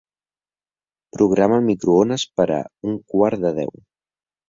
Programa el microones per a un quart de deu.